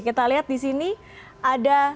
kita lihat di sini ada satu dua tiga empat lima